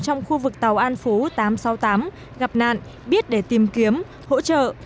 trong khu vực tàu an phú tám trăm sáu mươi tám gặp nạn biết để tìm kiếm hỗ trợ